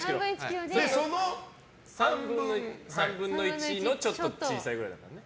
その３分の１のちょっと小さいくらいだからね。